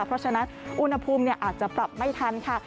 เพราะฉะนั้นอุณหภูมิอาจจะปรับไม่ทันค่ะ